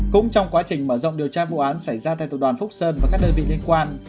cũng trong quá trình mở rộng điều tra vụ án xảy ra tại tập đoàn phúc sơn và các đơn vị liên quan